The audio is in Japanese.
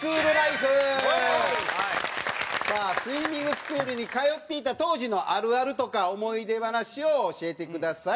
さあスイミングスクールに通っていた当時のあるあるとか思い出話を教えてください。